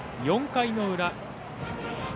４回の裏。